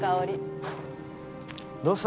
どうした？